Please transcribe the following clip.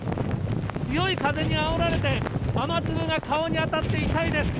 強い風にあおられて、雨粒が顔に当たって痛いです。